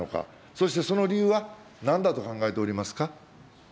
そしてその理由はなんだと考えておりますか。